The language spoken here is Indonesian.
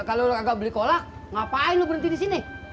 kalau agak beli kolak ngapain lu berhenti di sini